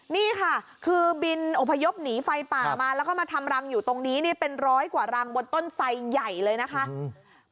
นี่ค่ะคือบินอพยพหนีไฟป่ามาแล้วก็มาทำรังอยู่ตรงนี้เนี่ยเป็นร้อยกว่ารังบนต้นไสใหญ่เลยนะคะ